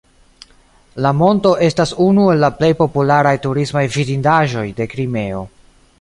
La monto estas unu el la plej popularaj turismaj vidindaĵoj de Krimeo.